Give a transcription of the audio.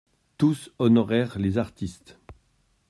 Tous honorèrent les artistes.